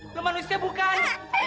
lo manusia bukan